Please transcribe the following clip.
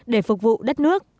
để phục vụ đất nước